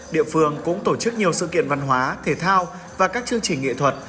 địa phương cũng tổ chức nhiều sự kiện văn hóa thể thao và các chương trình nghệ thuật